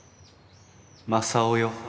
・正雄よ